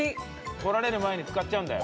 とられる前に使っちゃうんだよ。